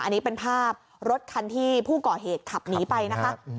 อันนี้เป็นภาพรถคันที่ผู้ก่อเหตุขับหนีไปนะคะ